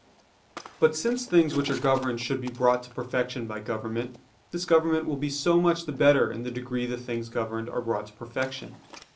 But since things which are governed should be brought to perfection by government, this government will be so much the better in the degree the things governed are brought to perfection.